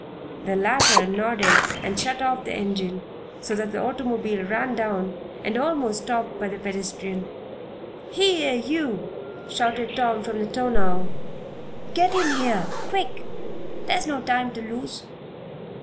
The latter nodded and shut off the engine so that the automobile ran down and almost stopped by this pedestrian. "Here, you!" shouted Tom, from the tonneau. "Get in here quick! There's no time to lose!"